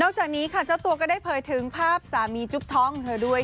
จากนี้ค่ะเจ้าตัวก็ได้เผยถึงภาพสามีจุ๊บท้องของเธอด้วย